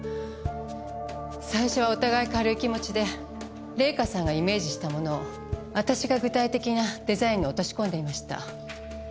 最初はお互い軽い気持ちで玲香さんがイメージしたものを私が具体的なデザインに落とし込んでいました。